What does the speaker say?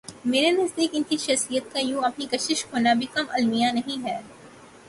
میرے نزدیک ان کی شخصیت کا یوں اپنی کشش کھونا بھی کم المیہ نہیں ہے۔